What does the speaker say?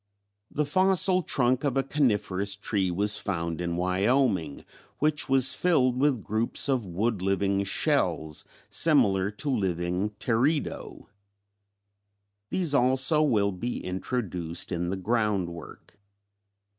The fossil trunk of a coniferous tree was found in Wyoming, which was filled with groups of wood living shells similar to the living Teredo. These also will be introduced in the ground work.